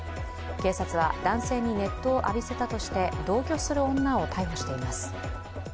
警察は男性に熱湯を浴びせたとして、同居する女を逮捕しています。